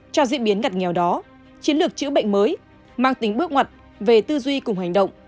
cho diễn biến ngặt nghèo đó chiến lược chữa bệnh mới mang tính bước ngoặt về tư duy cùng hành động